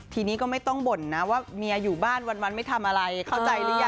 ทีนี้ก็ไม่ต้องบ่นนะว่าเมียอยู่บ้านวันไม่ทำอะไรเข้าใจหรือยัง